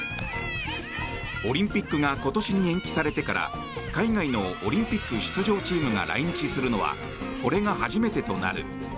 オリンピックが今年に延期されてから海外のオリンピック出場チームが来日するのはこれが初めてとなる。